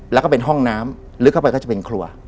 แล้วก็เป็นห้องน้ำลึกเข้าไปก็จะเป็นครัว